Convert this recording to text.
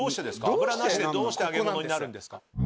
油なしでどうして揚げ物になるんですか？